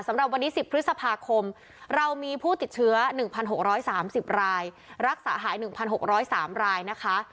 สำหรับวันนี้๑๐พฤษภาคมเรามีผู้ติดเชื้อ๑๖๓๐รายรักษาหาย๑๖๐๓รายนะคะ